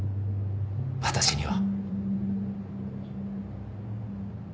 私には。